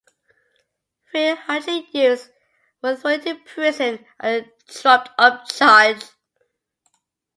Three hundred youths were thrown into prison on a trumped-up charge.